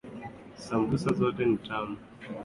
Sambusa zetu ni tamu sana